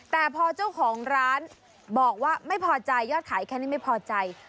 แต่พอเจ้าของร้านบอกว่าไม่พอใจยอดขายแค่นี้ไม่พอใจ